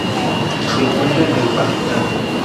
Se encuentra en el Pakistán.